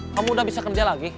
kamu udah bisa kerja lagi